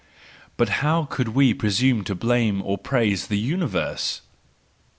But how could we presume to blame or praise the universe!